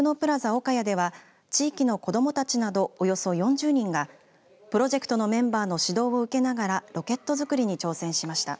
おかやでは地域の子どもたちなどおよそ４０人がプロジェクトのメンバーの指導を受けながらロケット作りに挑戦しました。